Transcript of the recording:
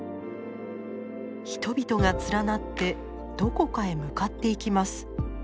人々が連なってどこかへ向かっていきます。